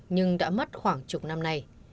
nhưng đã mất khoảng chục năm này